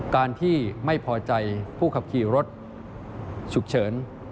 การที่ไม่พอใจผู้ขับขี่รถฉุกเฉิน